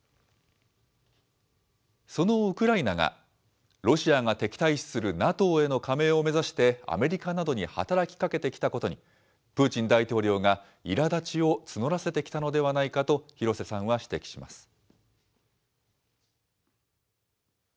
そのウクライナが、ロシアが敵対視するＮＡＴＯへの加盟を目指して、アメリカなどに働きかけてきたことに、プーチン大統領がいらだちを募らせてきたのではないかと廣瀬さんは指摘します。